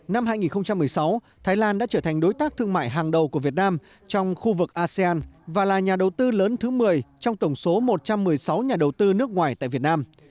năm hai nghìn một mươi sáu thái lan đã trở thành đối tác thương mại hàng đầu của việt nam trong khu vực asean và là nhà đầu tư lớn thứ một mươi trong tổng số một trăm một mươi sáu nhà đầu tư nước ngoài tại việt nam